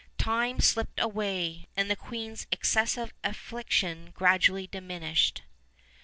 Time slipped away, and the queen's excessive affliction gradually diminished.